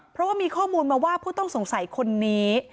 เพราะว่ามีข้อมูลมาว่าผู้ต้องสงสัยคนนี้